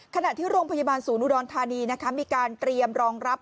ขณะที่โรงพยาบาลศูนย์อุดรธานีมีการเตรียมรองรับ